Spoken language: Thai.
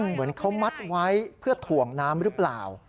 เหมือนเขามัดไว้เพื่อถ่วงน้ำหรือเปล่า